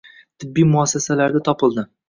tibbiy muassasalarda topildi.